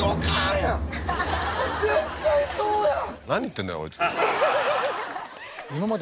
もう絶対そうやん！